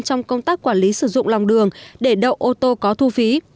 trong công tác quản lý sử dụng lòng đường để đậu ô tô có thu phí